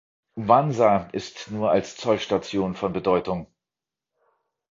Mwanza ist nur als Zollstation von Bedeutung.